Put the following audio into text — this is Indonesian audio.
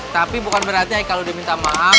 tapi bukan berarti kalau diminta maaf